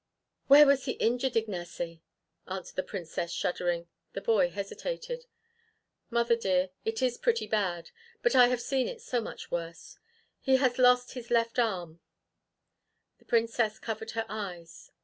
"Where was he injured, Ignaee?" asked the Princess, shuddering. The boy hesitated. "Mother dear, it is pretty bad, but I have see it so much worse. He has lost his left arm." The Princess covered her eyes.